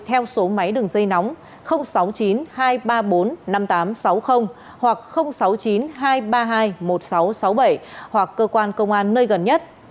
hãy báo ngay cho chúng tôi theo số máy đường dây nóng sáu mươi chín hai trăm ba mươi bốn năm nghìn tám trăm sáu mươi hoặc sáu mươi chín hai trăm ba mươi hai một nghìn sáu trăm sáu mươi bảy hoặc cơ quan công an nơi gần nhất